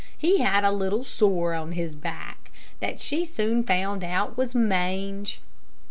He had a little sore on his back that she soon found out was mange.